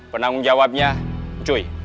penanggung jawabnya ucuy